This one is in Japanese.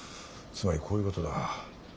つまりこういうことだ。